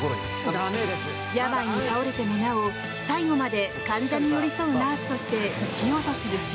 病に倒れても、なお最期まで患者に寄り添うナースとして生きようとする静。